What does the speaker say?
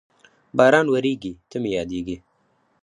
باران ورېږي، ته مې یادېږې